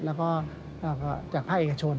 และอีกราชการ